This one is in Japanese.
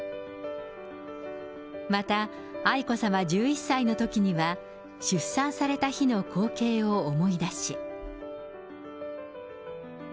また愛子さま１１歳のときには、出産された日の光景を思い出し。